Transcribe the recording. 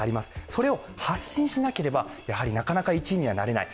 それを発信しなければやはりなかなか１位になれない。